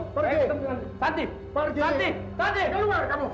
pergi santif keluar kamu